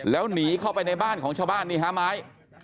แล้วหนีเข้าไปในบ้านของชาวบ้านนี่ฮะไม้